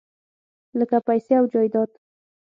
لکه پیسې او جایداد .